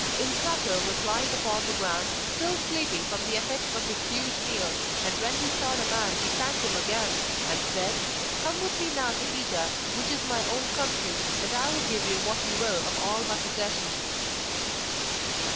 Insato was lying upon the ground, still sleepy from the effects of his huge meal, and when he saw the man he thanked him again, and said: 'Come with me now to Pita, which is my own country, and I will give you what you will of all my possessions.